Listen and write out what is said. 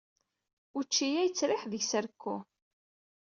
Učči-ya yettriḥ deg-s rekku.